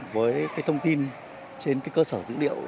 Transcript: với cái thông tin trên cơ sở dữ liệu